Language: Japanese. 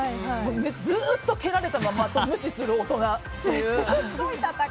ずっと蹴られたままで無視する大人っていう。